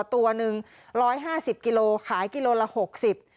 ตัวหนึ่ง๑๕๐กิโลกรัมขายกิโลกรัมละ๖๐กิโลกรัม